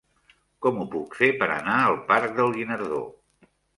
Com ho puc fer per anar al parc del Guinardó?